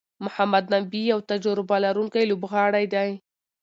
محمد نبي یو تجربه لرونکی لوبغاړی دئ.